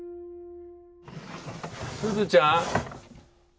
すずちゃん。